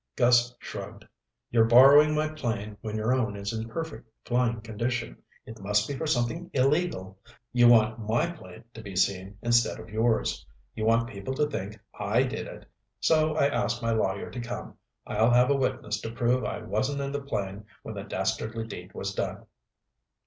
Gus shrugged. "You're borrowing my plane when your own is in perfect flying condition. It must be for something illegal. You want my plane to be seen instead of yours. You want people to think I did it. So I asked my lawyer to come. I'll have a witness to prove I wasn't in the plane when the dastardly deed was done."